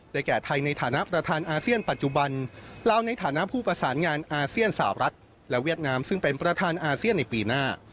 แก่ไทยในฐานะประธานอาเซียนปัจจุบันลาวในฐานะผู้ประสานงานอาเซียนสาวรัฐและเวียดนามซึ่งเป็นประธานอาเซียนในปีหน้า